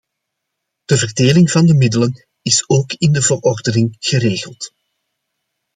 De verdeling van de middelen is ook in de verordening geregeld.